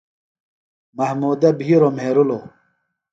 محمودہ بِھیروۡ مھیرِلوۡ۔